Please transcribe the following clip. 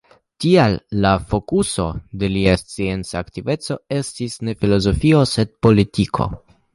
Tial, la fokuso de lia scienca aktiveco estis ne filozofio, sed politiko.